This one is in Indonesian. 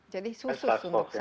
jadi khusus untuk sars cov dua